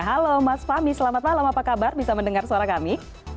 halo mas fahmi selamat malam apa kabar bisa mendengar suara kami